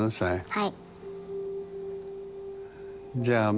はい。